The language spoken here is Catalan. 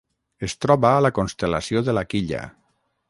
Es troba a la constel·lació de la Quilla.